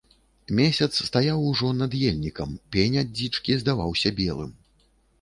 Месяц стаяў ужо над ельнікам, пень ад дзічкі здаваўся белым.